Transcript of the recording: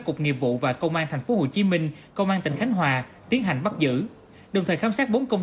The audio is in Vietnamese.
cục nhiệm vụ và công an thành phố hồ chí minh tiến hành bắt giữ đồng thời khám sát bốn công